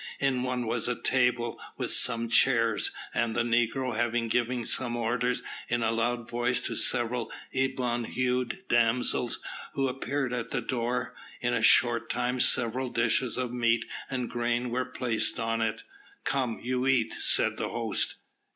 In one was a table, with some chairs; and the negro, having given some orders in a loud voice to several ebon hued damsels, who appeared at the door, in a short time several dishes of meat and grain were placed on it. "Come you eat," said the host.